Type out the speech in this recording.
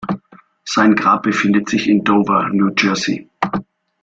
Sein Grab befindet sich in Dover, New Jersey.